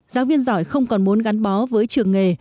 giáo viên giỏi không còn muốn gắn bó với trường nghề